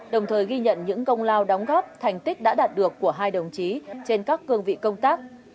đồng thời ghi nhận những công lao đóng góp thành tích đã đạt được của hai đồng chí trên các cương vị công tác